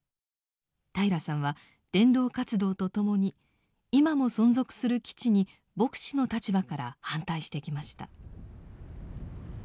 平良さんは伝道活動と共に今も存続する基地に牧師の立場から反対してきました。